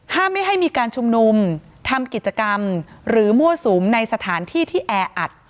ไม่ให้มีการชุมนุมทำกิจกรรมหรือมั่วสุมในสถานที่ที่แออัด